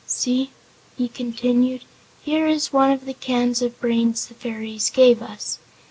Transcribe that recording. See," he continued, "here is one of the cans of brains the fairies gave us."